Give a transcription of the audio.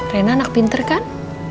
rena anak pinter kan